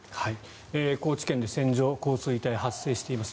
高知県で線状降水帯が発生しています。